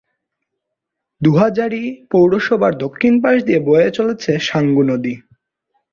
দোহাজারী পৌরসভার দক্ষিণ পাশ দিয়ে বয়ে চলেছে সাঙ্গু নদী।